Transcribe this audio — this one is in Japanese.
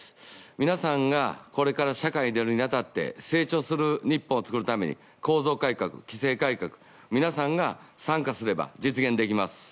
皆さんが、これから社会に出るにあたって成長する日本を作るために構造改革、規制改革皆さんが参加すれば実現できます。